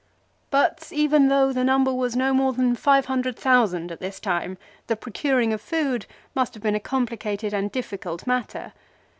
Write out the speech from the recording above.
But even though the number was no more than 500,000, at this time, the procuring of food must have been a compli cated and difficult matter.